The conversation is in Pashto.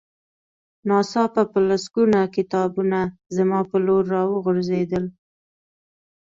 ناڅاپه په لسګونه کتابونه زما په لور را وغورځېدل